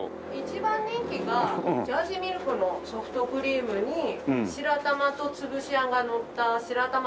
一番人気がジャージーミルクのソフトクリームに白玉とつぶしあんがのった白玉ＰＥＧＯ